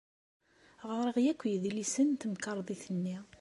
Ɣriɣ akk idlisen n temkarḍit-nni.